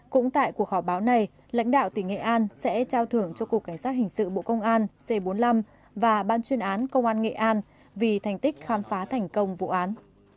cũng tại cuộc họp báo này lãnh đạo tỉnh nghệ an sẽ trao thưởng cho cục cảnh sát hình sự bộ công an c bốn mươi năm và ban chuyên án công an nghệ an vì thành tích khám phá thành công vụ án